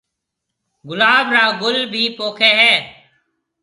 گُلاب را گُل ڀِي پوکيَ هيَ۔